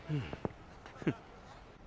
フッ。